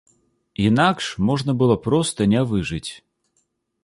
Інакш можна было проста не выжыць.